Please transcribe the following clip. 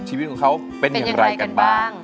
ชีวิตของเขาเป็นยังไงกันบ้างเป็นยังไงกันบ้าง